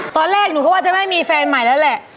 ตอนแรกหนูก็ว่าจะไม่มีแฟนใหม่แล้วแหละ